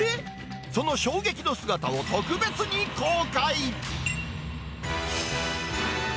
その衝撃の姿を特別に公開。